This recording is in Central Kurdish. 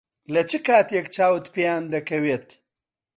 لە چ کاتێک چاوت پێیان دەکەوێت؟